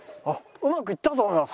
うまくいったと思います。